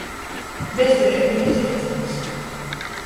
Bezdeleigu lizeicenis.